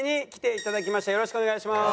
よろしくお願いします。